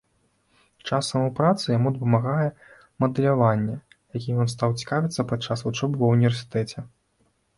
Часам у працы яму дапамагае мадэляванне, якім ён стаў цікавіцца падчас вучобы ва ўніверсітэце.